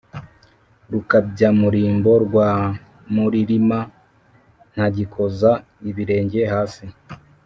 Rukabyamurimbo rwa Muririma ntagikoza ibirenge hasi.-